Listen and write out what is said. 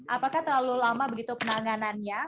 apakah terlalu lama begitu penanganannya